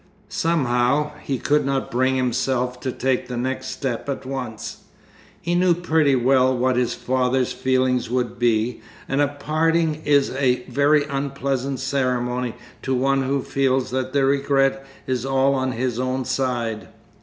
Somehow, he could not bring himself to take the next step at once; he knew pretty well what his father's feelings would be, and a parting is a very unpleasant ceremony to one who feels that the regret is all on his own side.